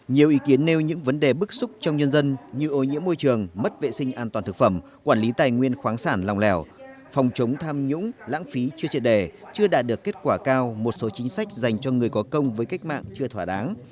nhiều ý kiến nêu những vấn đề bức xúc trong nhân dân như ô nhiễm môi trường mất vệ sinh an toàn thực phẩm quản lý tài nguyên khoáng sản lòng lẻo phòng chống tham nhũng lãng phí chưa triệt đề chưa đạt được kết quả cao một số chính sách dành cho người có công với cách mạng chưa thỏa đáng